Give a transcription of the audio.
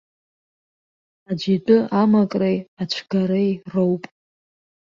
Аӡәы итәы амакреи ацәгареи роуп.